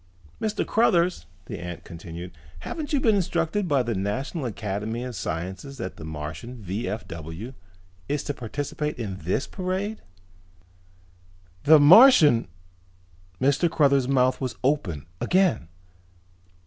"Mr. Cruthers," the ant continued, "haven't you been instructed by the National Academy of Sciences that the Martian V.F.W. is to participate in this parade?" "The Martian !!" Mr. Cruthers' mouth was open again.